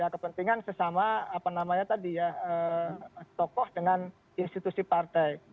kepentingan sesama tokoh dengan institusi partai